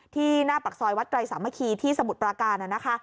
ที่หน้าผักซอยวัดไดสามภิกิที่สมุทรประการ